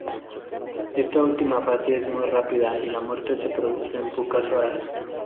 Esta última fase es muy rápida y la muerte se produce en pocas horas.